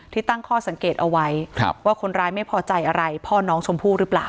ตั้งข้อสังเกตเอาไว้ว่าคนร้ายไม่พอใจอะไรพ่อน้องชมพู่หรือเปล่า